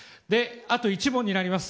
あと１問になります。